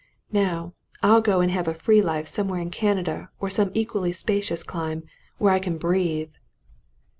Now, I'll go and have a free life somewhere in Canada or some equally spacious clime where I can breathe."